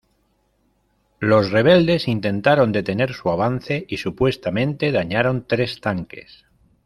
Los rebeldes intentaron detener su avance y supuestamente dañaron tres tanques.